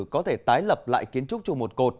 có thể tái lập lại kiến trúc chùa một cột